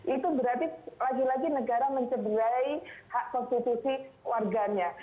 itu berarti lagi lagi negara mencederai hak konstitusi warganya